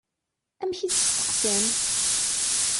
Amek i tt-steqsan?